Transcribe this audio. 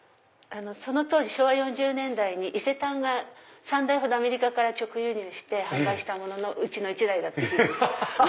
その当時昭和４０年代に伊勢丹が３台ほどアメリカから直輸入して販売したもののうちの１台。